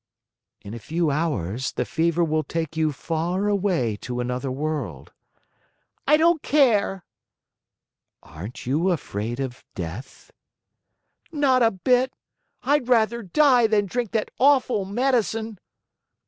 "In a few hours the fever will take you far away to another world." "I don't care." "Aren't you afraid of death?" "Not a bit. I'd rather die than drink that awful medicine."